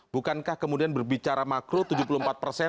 bukankah kemudian berbicara makro tujuh puluh empat persen